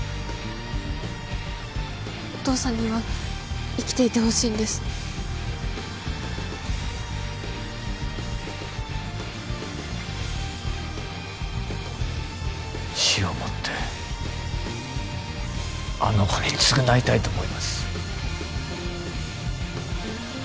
お父さんには生きていてほしいんです死をもってあの子に償いたいと思います